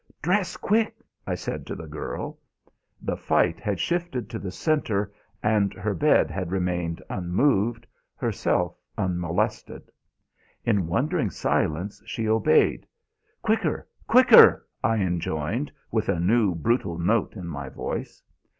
"Dress, quick!" I said to the girl. The fight had shifted to the centre, and her bed had remained unmoved, herself unmolested. In wondering silence she obeyed. "Quicker! Quicker!" I enjoined, with a new brutal note in my voice.